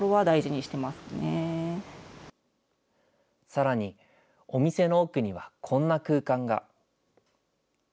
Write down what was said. さらに、お店の奥にはこんな空間が。